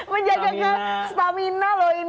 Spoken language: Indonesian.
menjaga stamina loh ini